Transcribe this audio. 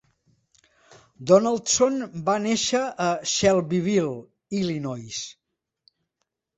Donaldson va néixer a Shelbyville, Illinois.